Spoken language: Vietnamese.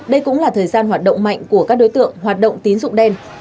đây cũng là thời gian hoạt động mạnh của các đối tượng hoạt động tín dụng đen